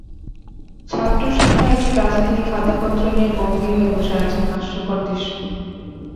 ছাত্রশূণ্য একটি ক্লাসে তিনি খাতাপত্র নিয়ে গম্ভীর হয়ে বসে আছেন-হাস্যকর দৃশ্য।